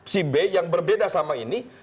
si b yang berbeda sama ini